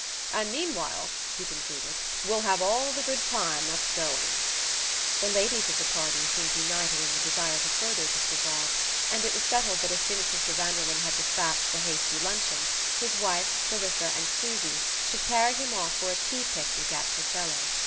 "And meanwhile," he concluded, "we'll have all the good time that's going." The ladies of the party seemed united in the desire to further this resolve; and it was settled that as soon as Mr. Vanderlyn had despatched a hasty luncheon, his wife, Clarissa and Susy should carry him off for a tea picnic at Torcello.